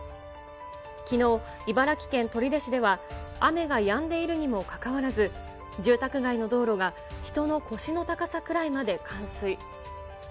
きのう、茨城県取手市では、雨がやんでいるにもかかわらず、住宅街の道路が人の腰の高さくらいまで冠水。